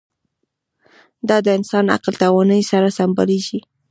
دا د انسان عقل توانایۍ سره سمبالېږي.